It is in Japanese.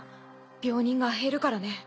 病人が減るからね。